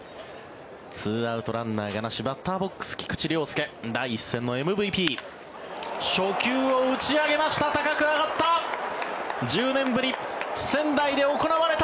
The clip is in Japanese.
２アウト、ランナーがなしバッターボックス菊池涼介第１戦のＭＶＰ初球を打ち上げました高く上がった。